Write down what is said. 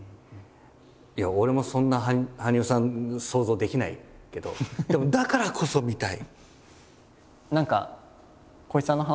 いや俺もそんな羽生さん想像できないけどでもだからこそ見たい。